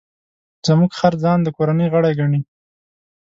زموږ خر ځان د کورنۍ غړی ګڼي.